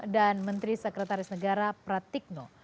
dan menteri sekretaris negara pratikno